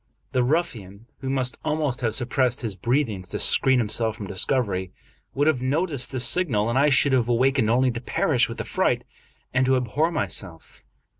The ruffian, who must almost have suppressed his breathings to screen himself from discovery, would have noticed this signal, and I should have awakened only to perish with affright, and to abhor myself.